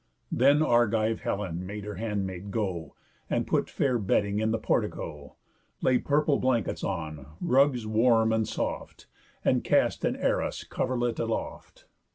Then Argive Helen made her handmaid go, And put fair bedding in the portico, Lay purple blankets on, rugs warm and soft, And cast an arras coverlet aloft.